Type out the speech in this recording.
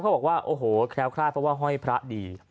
บอกว่าโอ้โหแคล้วคลาดเพราะว่าห้อยพระดี